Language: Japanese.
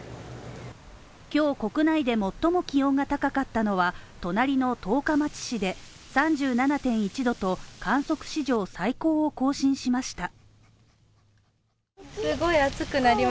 今日、国内で最も気温が高かったのは隣の十日町市で３７．１度と、観測史上最高を更新しました。